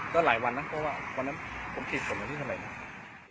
อ๋อก็หลายวันนะเพราะว่าวันนั้นผมคิดผมอยู่ที่สมัยนี้